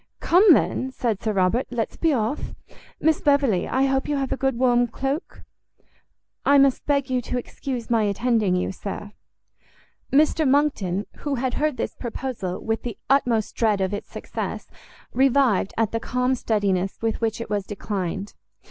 "Come then," said Sir Robert, "let's be off. Miss Beverley, I hope you have a good warm cloak?" "I must beg you to excuse my attending you, sir." Mr Monckton, who had heard this proposal with the utmost dread of its success, revived at the calm steadiness with which it was declined.